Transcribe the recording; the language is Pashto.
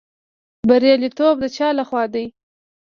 بریالیتوب د چا لخوا دی؟